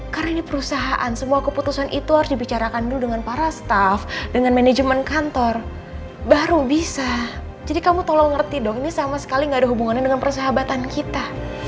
karena ini perusahaan semua keputusan itu harus dibicarakan dulu dengan para staff dengan manajemen kantor baru bisa jadi kamu tolong ngerti dong ini sama sekali nggak ada hubungannya dengan persahabatan kita